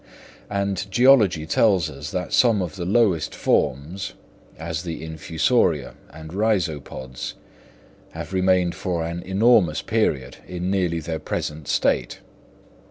And geology tells us that some of the lowest forms, as the infusoria and rhizopods, have remained for an enormous period in nearly their present state.